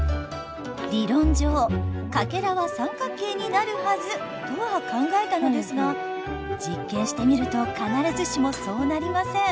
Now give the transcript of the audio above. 理論上かけらは三角形になるはずとは考えたのですが実験してみると必ずしもそうなりません。